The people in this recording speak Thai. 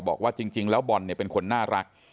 บอกว่าจริงแล้วบอลเนี่ยเป็นคนน่ารัก